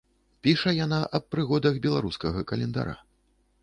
Піша яна аб прыгодах беларускага календара.